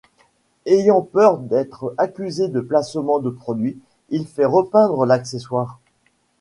Ayant peur d'être accusé de placement de produit, il fit repeindre l'accessoire.